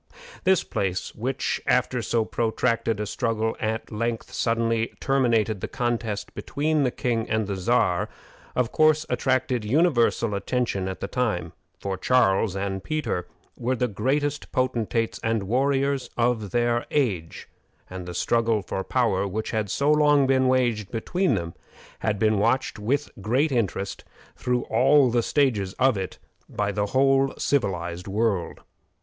This battle, which, after so protracted a struggle, at length suddenly terminated the contest between the king and the Czar, of course attracted universal attention at the time, for Charles and Peter were the greatest potentates and warriors of their age, and the struggle for power which had so long been waged between them had been watched with great interest, through all the stages of it, by the whole civilized world.